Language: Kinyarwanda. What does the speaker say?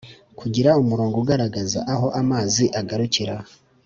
kugira umurongo ugaragaza aho amazi agarukira